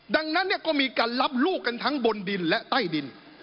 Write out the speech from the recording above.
ดังนั้นก็มีการรับลูกกันทั้งบนดินและใต้ดิน